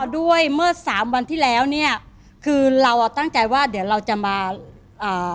ด้วยเมื่อสามวันที่แล้วเนี้ยคือเราอ่ะตั้งใจว่าเดี๋ยวเราจะมาเอ่อ